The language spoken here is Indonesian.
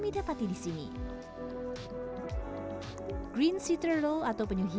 itu dia tuh